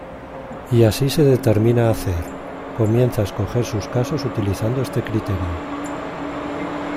Y así se determina a hacer: comienza a escoger sus casos utilizando este criterio.